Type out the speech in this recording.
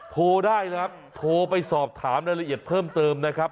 โทรได้ครับโทรไปสอบถามรายละเอียดเพิ่มเติมนะครับ